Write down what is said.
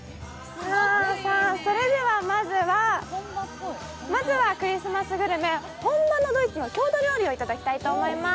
それではまずはクリスマスグルメ、本場ドイツの郷土料理をいただきたいと思います。